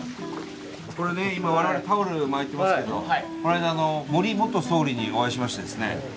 これね今我々タオル巻いてますけどこのあいだ森元総理にお会いしましてですね